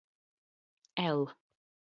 El